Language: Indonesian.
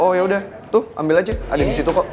oh yaudah tuh ambil aja ada di situ kok